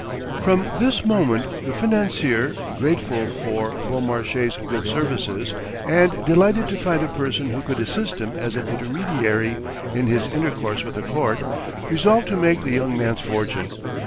"From this moment the financier, grateful for Beaumarchais' good services, and delighted to find a person who could assist him as an intermediary in his intercourse with the court, resolved to make the young man's fortune.